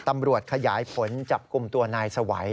ตำรวจขยายผลจับกลุ่มตัวนายสวัย